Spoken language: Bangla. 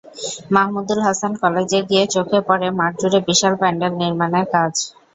মাহমুদুল হাসান কলেজে গিয়ে চোখে পড়ে মাঠজুড়ে বিশাল প্যান্ডেল নির্মাণের কাজ।